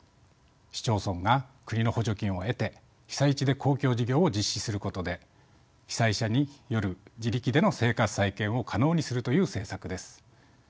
市町村が国の補助金を得て被災地で公共事業を実施することで被災者による自力での生活再建を可能にするという政策です。